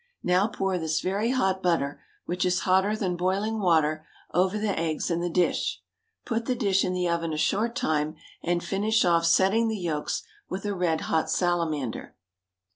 Now pour this very hot butter, which is hotter than boiling water, over the eggs in the dish. Put the dish in the oven a short time, and finish off setting the yolks with a red hot salamander.